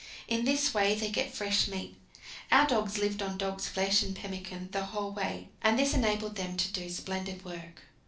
In this way they get fresh meat. Our dogs lived on dog's flesh and pemmican the whole way, and this enabled them to do splendid work.